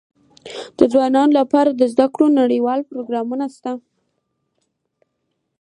د ځوانانو لپاره د زده کړو نړيوال پروګرامونه سته.